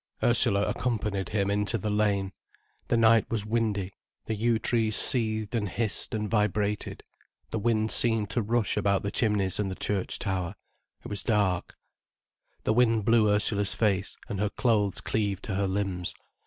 Ursula accompanied him into the lane. The night was windy, the yew trees seethed and hissed and vibrated. The wind seemed to rush about among the chimneys and the church tower. It was dark. The wind blew Ursula's face, and her clothes cleaved to her limbs.